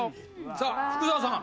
さあ福澤さん。